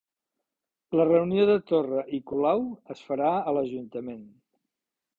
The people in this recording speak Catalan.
La reunió de Torra i Colau es farà a l'ajuntament